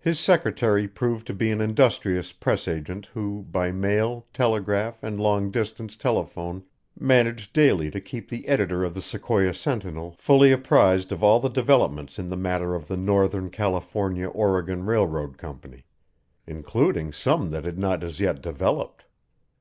His secretary proved to be an industrious press agent who by mail, telegraph, and long distance telephone managed daily to keep the editor of the Sequoia Sentinel fully apprised of all developments in the matter of the Northern California Oregon Railroad Company including some that had not as yet developed!